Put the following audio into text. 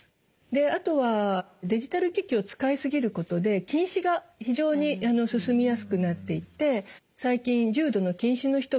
であとはデジタル機器を使い過ぎることで近視が非常に進みやすくなっていって最近重度の近視の人が増えています。